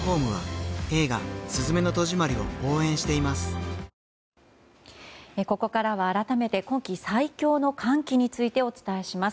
サントリーここからは改めて今季最強の寒気についてお伝えします。